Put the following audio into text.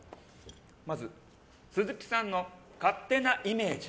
まず鈴木さんの勝手なイメージ。